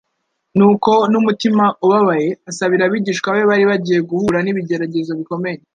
Nuko n'umutima ubabaye, asabira abigishwa be bari bagiye guhura n'ibigeragezo bikomeye.